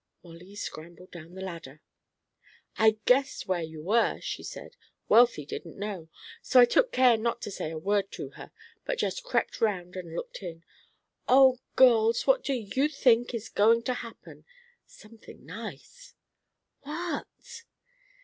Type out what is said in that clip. Molly scrambled down the ladder. "I guessed where you were," she said. "Wealthy didn't know, so I took care not to say a word to her, but just crept round and looked in. Oh, girls! what do you think is going to happen? something nice." "What?"